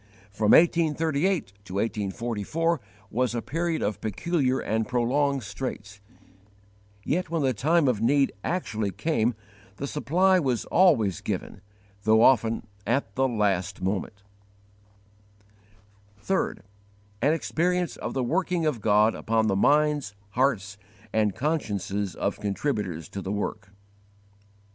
From 1838 to 1844 was a period of peculiar and prolonged straits, yet when the time of need actually came the supply was always given, though often at the last moment. 3. An experience of the working of God upon the minds, hearts, and consciences of _contributors to the work.